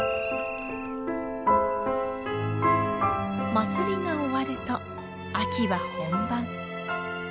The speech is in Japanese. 祭りが終わると秋は本番。